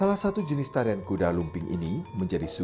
latihan itu kayak sulit gitu